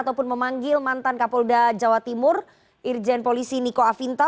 ataupun memanggil mantan kapolda jawa timur irjen polisi niko afinta